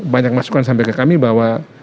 banyak masukan sampai ke kami bahwa